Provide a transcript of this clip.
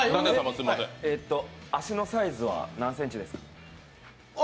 足のサイズは何センチですか？